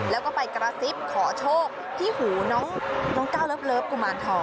แล้วก็ไปกระซิบขอโชคที่หูน้องก้าวเลิฟกุมารทอง